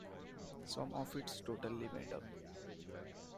Some of it's totally made up.